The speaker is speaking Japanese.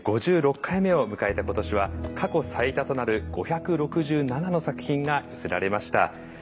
５６回目を迎えた今年は過去最多となる５６７の作品が寄せられました。